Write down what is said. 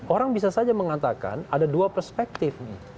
orang bisa saja mengatakan ada dua perspektif